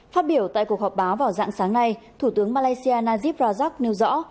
phát biểu tại cuộc họp báo vào dạng sáng nay thủ tướng malaysia najib rajak nêu rõ